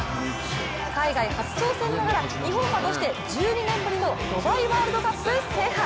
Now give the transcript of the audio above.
海外初挑戦ながら日本馬として１２年ぶりのドバイワールドカップ制覇。